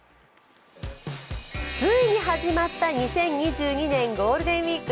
ついに始まった２０２２年ゴールデンウイーク。